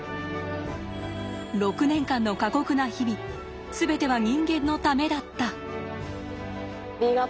６年間の過酷な日々全ては人間のためだった！